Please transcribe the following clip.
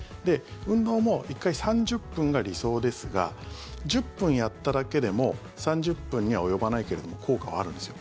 運動も１回３０分が理想ですが１０分やっただけでも３０分には及ばないけれども効果はあるんですよ。